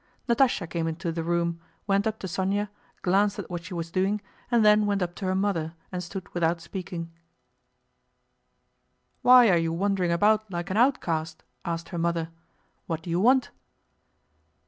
Natásha came into the room, went up to Sónya, glanced at what she was doing, and then went up to her mother and stood without speaking. "Why are you wandering about like an outcast?" asked her mother. "What do you want?"